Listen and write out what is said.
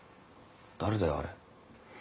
誰だよあれ。